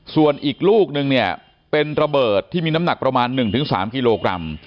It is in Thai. ส่วนอีกลูกนึงเนี่ยเป็นระเบิดที่มีน้ำหนักประมาณ๑๓กิโลกรัม